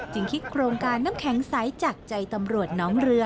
คิดโครงการน้ำแข็งใสจากใจตำรวจน้องเรือ